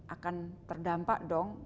roda perekonomian akan terdampak dong